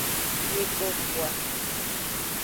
Migbo voa.